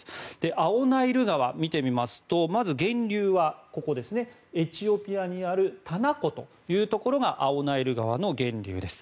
青ナイル川、見てみますと源流はエチオピアにあるタナ湖というところが青ナイル川の源流です。